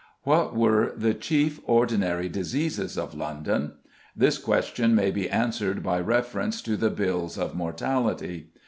What were the chief ordinary diseases of London? This question may be answered by reference to the bills of mortality.